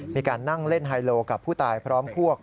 มีการนั่งเล่นไฮโลกับผู้ตายพร้อมพวก